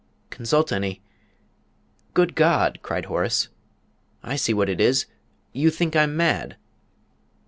"Consult any Good God!" cried Horace; "I see what it is you think I'm mad!"